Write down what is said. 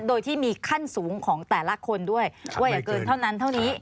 โดยที่มีขั้นสูงของแต่ละคนด้วยว่าอย่าเกินเท่านั้นเท่านี้